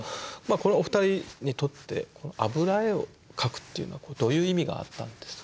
このお二人にとって油絵を描くっていうのはどういう意味があったんですか？